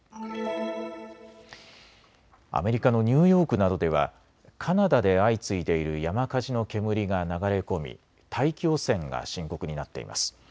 アメリカのニューヨークなどではカナダで相次いでいる山火事の煙が流れ込み大気汚染が深刻になっています。